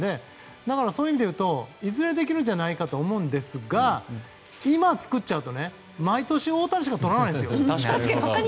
そういう意味で言うといずれできるんじゃないかと思うんですが今作っちゃうと毎年大谷しかとらないんですよ。